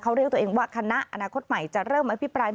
เขาเรียกตัวเองว่าคณะอนาคตใหม่จะเริ่มอภิปราย